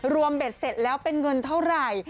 เบ็ดเสร็จแล้วเป็นเงินเท่าไหร่